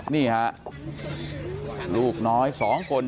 นี่ค่ะลูกน้อย๒คนตัวนิดเดียว